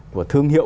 của thương hiệu